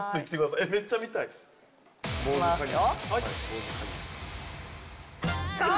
いきますよ。